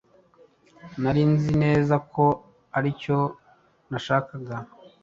Nari nzi neza ko aricyo nashakaga.